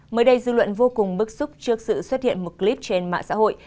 mới đây dư luận vô cùng bức xúc trước sự xuất hiện một clip trên mạng xã hội